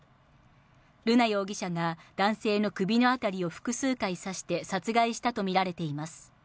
瑠奈容疑者が男性の首の辺りを複数回刺して殺害したと見られています。